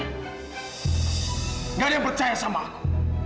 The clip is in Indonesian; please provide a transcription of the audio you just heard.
tidak ada yang percaya sama aku